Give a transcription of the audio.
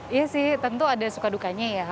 iya sih tentu ada suka dukanya ya